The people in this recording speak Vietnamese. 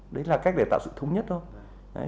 đấy là cách để tạo sự thống nhất thôi